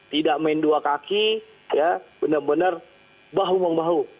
tidak main dua kaki ya benar benar bahu membahu